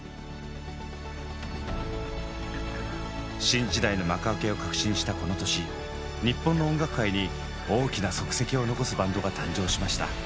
新時代の幕開けを確信したこの年日本の音楽界に大きな足跡を残すバンドが誕生しました。